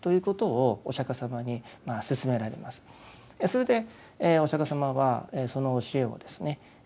それでお釈迦様はその教えをですね